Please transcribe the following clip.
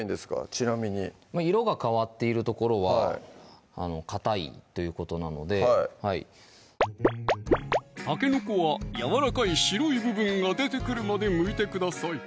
ちなみに色が変わっている所はかたいということなのでたけのこはやわらかい白い部分が出てくるまでむいてください